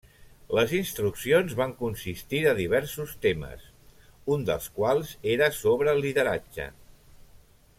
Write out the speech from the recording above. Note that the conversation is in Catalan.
Les Instruccions van consistir de diversos temes, un dels quals era sobre el lideratge.